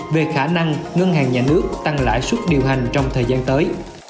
về khả năng ngân hàng nhà nước tăng lãi suất điều hành trong thời gian tới